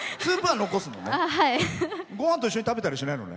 ごはんと一緒に食べたりしないのね。